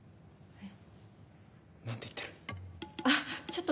えっ？